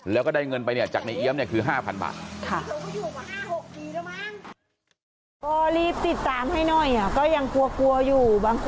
แล้วก็ได้เงินไปเนี่ยจากในเอี๊ยมเนี่ยคือ๕๐๐บาท